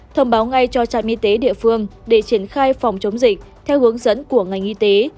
thông báo ngay cho trạm y tế địa phương để triển khai phòng chống dịch theo hướng dẫn của ngành y tế